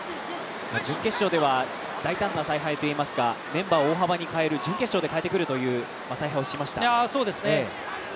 準決勝では大胆な采配といいますか、メンバーを大幅に準決勝で変えてくるという采配をしました。